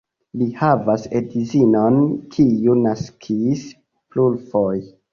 Li havas edzinon, kiu naskis plurfoje.